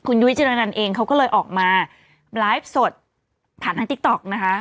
ยุ้ยจิรนันเองเขาก็เลยออกมาไลฟ์สดผ่านทางติ๊กต๊อกนะคะ